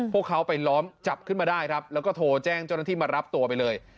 พวกเขาไปล้อมจับขึ้นมาได้ครับแล้วก็โทรแจ้งเจ้าหน้าที่มารับตัวไปเลย